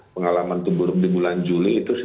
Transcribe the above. pengalaman terburuk di bulan juli itu